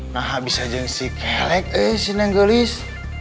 nah bisa yang si kelek eh si neng gelis